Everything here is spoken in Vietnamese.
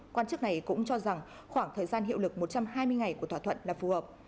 quan chức này cũng cho rằng khoảng thời gian hiệu lực một trăm hai mươi ngày của thỏa thuận là phù hợp